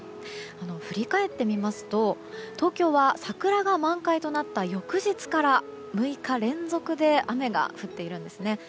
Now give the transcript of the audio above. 振り返ってみますと東京は桜が満開となった翌日から６日連続で雨が降っているんですね。